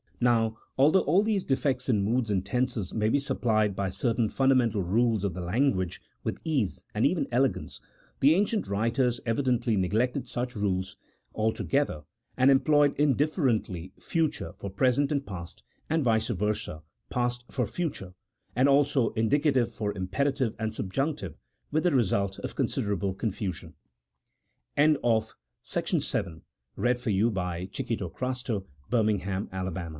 Now, although all these defects in moods and tenses may be supplied by certain fundamental rules of the language with ease and even elegance, the ancient writers evidently neglected such rules altogether, and employed indifferently future for present and past, and vice versa past for future, and also indicative for imperative and subjunctive, with the result of considerable confusion. Besides these sources of ambiguity there are two others, one very important.